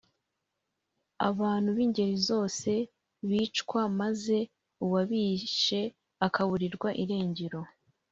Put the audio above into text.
abantu b’ingeli zose bicwa maze uwabishe akaburirwa irengero